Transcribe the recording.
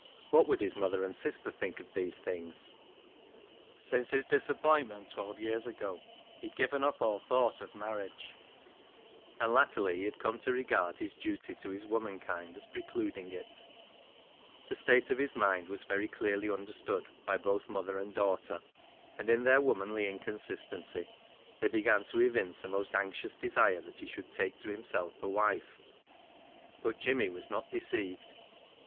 What would his mother and sister think of these things ? Since his disappointment of twelve years ago, he had given up all thought of marriage, and latterly he had come to regard his duty to his woman kind as precluding it. The state of his mind was very clearly understood by both mother and daughter, and in their womanly inconsistency they began to evince a most anxious desire that he should take to himself a wife. But Jimmy was not deceived.